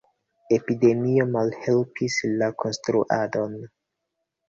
Epidemio malhelpis la konstruadon.